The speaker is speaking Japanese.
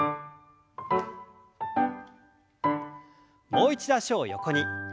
もう一度脚を横に。